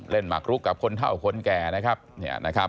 เล่นมาคลุกกับคนเท่าคนแก่นะครับ